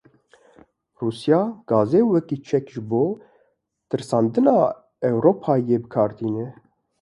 Rûsya gazê wekî çek ji bo tirsandina Ewropayê bi kar tîne.